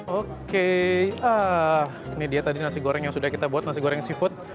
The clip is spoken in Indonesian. oke ini dia tadi nasi goreng yang sudah kita buat nasi goreng seafood